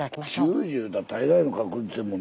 ９０いうたら大概の確率やもん。